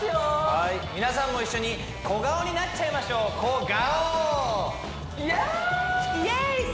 はい皆さんも一緒に小顔になっちゃいましょうコガオーイエース！